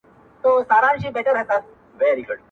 نه شرنګى سته د پاوليو نه پايلو-